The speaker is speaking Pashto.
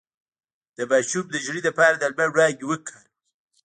د ماشوم د ژیړي لپاره د لمر وړانګې وکاروئ